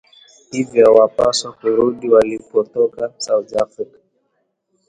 hivyo wanapaswa kurudi walipotoka, south africa